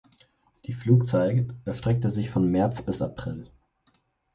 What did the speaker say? Die Flugzeit erstreckte sich von März bis April.